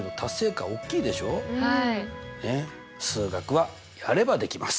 数学はやればできます！